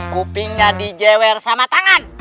kupingnya dijewer sama tangan